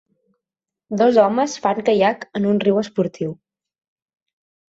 Dos homes fan caiac en un riu esportiu.